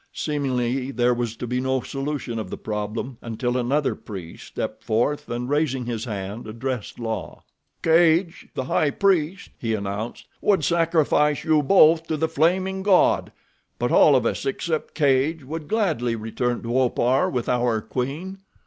Seemingly there was to be no solution of the problem until another priest stepped forth and, raising his hand, addressed La. "Cadj, the High Priest," he announced, "would sacrifice you both to the Flaming God; but all of us except Cadj would gladly return to Opar with our queen."